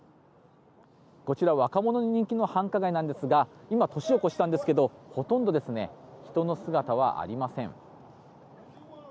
こちら若者に人気の繁華街ですが今、年を越したんですがほとんど人の姿はありません。